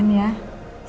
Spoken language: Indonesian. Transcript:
semuanya udah beres